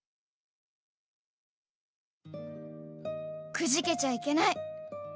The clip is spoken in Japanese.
くじけちゃいけない